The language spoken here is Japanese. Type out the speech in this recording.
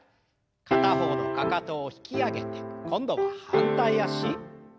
片方のかかとを引き上げて今度は反対脚。